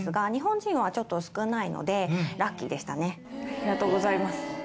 ありがとうございます。